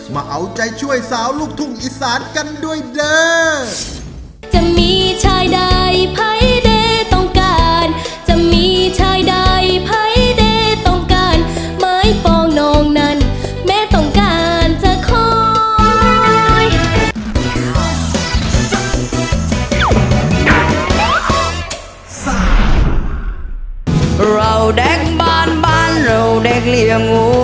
แม่ต้องการจะคอย